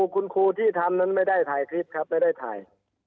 คุณครูที่ทำนั้นไม่ได้ถ่ายคลิปครับไม่ได้ถ่าย